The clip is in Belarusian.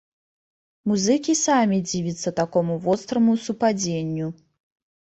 Музыкі самі дзівяцца такому востраму супадзенню.